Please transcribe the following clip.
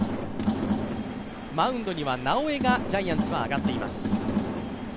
マウンドには直江がジャイアンツは上がっています。